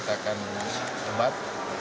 kita akan debat